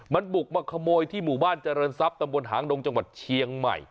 มันบุกมาขโมยที่หมู่บ้านเจริญทรัพย์ตำบลหางดงจังหวัดเชียงใหม่